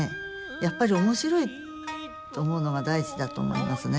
やっぱり面白いと思うのが大事だと思いますね。